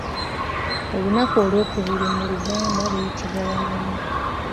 Olunaku olw'okubiri mu luganda luyitibwa Walumbe.